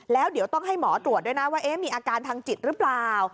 แล้วเดี๋ยวต้องให้หมอตรวจด้วยนะว่ามีอาการทางจิตหรือเปล่า